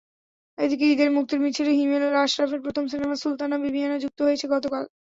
এদিকে ঈদের মুক্তির মিছিলে হিমেল আশরাফের প্রথম সিনেমা সুলতানা বিবিয়ানা যুক্ত হয়েছে গতকাল।